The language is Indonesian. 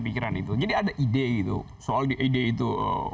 pikiran itu jadi ada ide itu soalnya jadi itu